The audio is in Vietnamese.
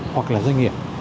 hoặc là doanh nghiệp